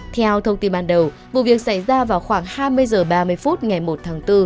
theo thông tin ban đầu vụ việc xảy ra vào khoảng hai mươi h ba mươi phút ngày một tháng bốn